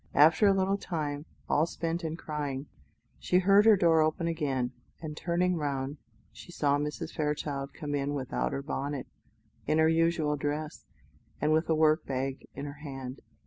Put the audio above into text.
After a little time, all spent in crying, she heard her door open again, and turning round, she saw Mrs. Fairchild come in without her bonnet, in her usual dress, and with a work bag in her hand.